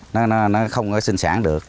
nó không sinh sản được